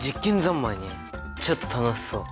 ちょっと楽しそう！